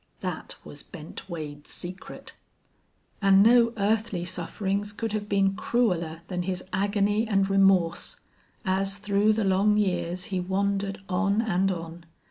That was Bent Wade's secret. And no earthly sufferings could have been crueler than his agony and remorse, as through the long years he wandered on and on.